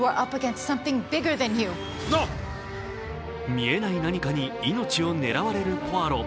見えない何かに命を狙われるポアロ。